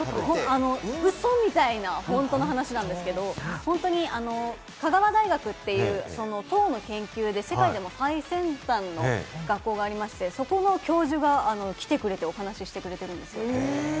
ウソみたいな本当の話なんですけれども、香川大学っていう、糖の研究で世界でも最先端の学校がありまして、そこの教授が来てくれてお話してくれてるんですよ。